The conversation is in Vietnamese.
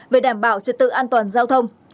về đảm bảo trật tự an toàn giao thông